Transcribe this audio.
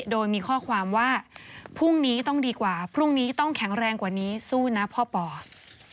โดยมีข้อความว่าพรุ่งนี้ต้องดีกว่าพรุ่งนี้ต้องแข็งแรงกว่านี้สู้นะพ่อปอด